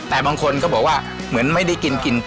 แต่บางคนก็บอกว่าเหมือนไม่ได้กินกิน